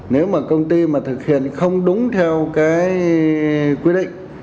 nếu mà công ty thực hiện không đúng theo quy định